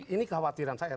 ini kekhawatiran saya